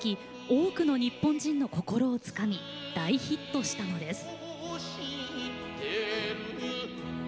多くの日本人の心をつかみ大ヒットしたのです。